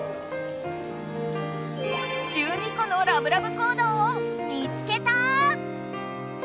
１２個のラブラブ行動を見つけた！